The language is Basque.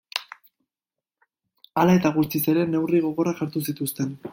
Hala eta guztiz ere, neurri gogorrak hartu zituzten.